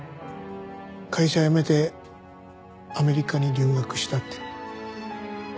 会社辞めてアメリカに留学したって。